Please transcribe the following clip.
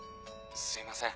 すいません。